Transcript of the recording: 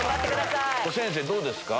先生どうですか？